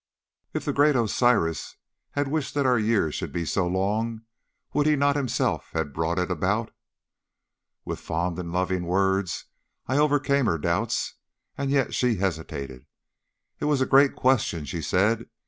If the great Osiris had wished that our years should be so long, would he not himself have brought it about?' "With fond and loving words I overcame her doubts, and yet she hesitated. It was a great question, she said.